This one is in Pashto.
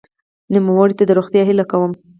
نوموړي ته د روغتیا هیله کوم.